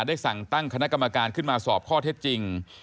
ได้สั่งตั้งคณะกรรมการขึ้นมาสอบข้อเท็จจริง